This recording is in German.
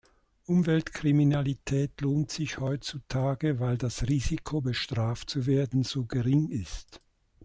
Umweltkriminalität lohnt sich heutzutage, weil das Risiko, bestraft zu werden, so gering ist.